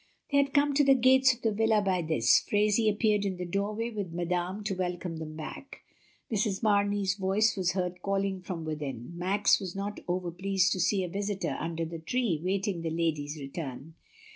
'' They had come to the gates of the villa by this; Fhraisie appeared in the doorway with Madame to welcome them back. Mrs. Mamey's voice was heard calling from within. Max was not over pleased to see a visitor under the tree waiting the ladies' return.